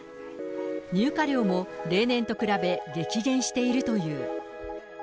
入荷量も例年と比べ激減しているという。